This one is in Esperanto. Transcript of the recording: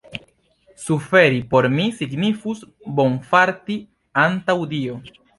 Suferi por mi signifus bonfarti antaŭ Dio.